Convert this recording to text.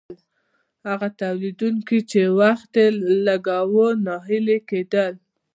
هغه تولیدونکي چې وخت یې لګاوه ناهیلي کیدل.